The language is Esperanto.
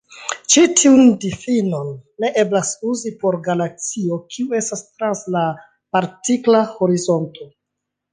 Ĉi tiun difinon ne eblas uzi por galaksio kiu estas trans la partikla horizonto.